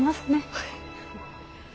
はい。